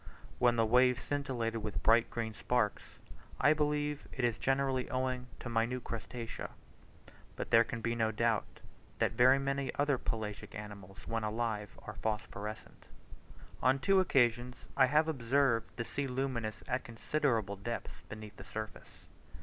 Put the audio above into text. When the waves scintillate with bright green sparks, I believe it is generally owing to minute crustacea. But there can be no doubt that very many other pelagic animals, when alive, are phosphorescent. On two occasions I have observed the sea luminous at considerable depths beneath the surface.